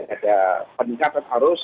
ada peningkatan arus